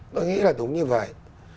tôi nghĩ là đúng như vậy